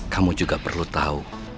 kamu juga perlu tahu